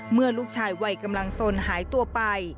เมื่อลูกชายวัยกำลังสนหายตัวไป